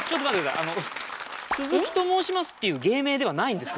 あの「鈴木と申します」っていう芸名ではないんですよ。